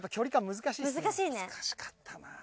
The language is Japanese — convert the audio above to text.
難しかったな。